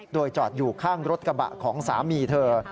โดยจอดอยู่ข้างรถกระบะของสามีเธอ